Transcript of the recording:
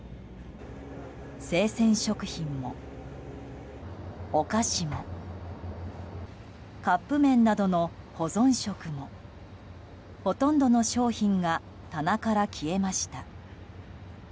生鮮食品も、お菓子もカップ麺などの保存食もほとんどの商品が棚から消えました。